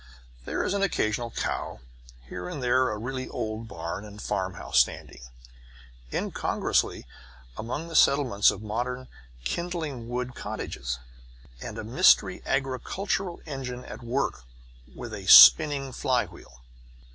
There is an occasional cow; here and there a really old barn and farmhouse standing, incongruously, among the settlements of modern kindling wood cottages; and a mysterious agricultural engine at work with a spinning fly wheel.